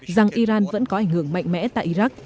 rằng iran vẫn có ảnh hưởng mạnh mẽ tại iraq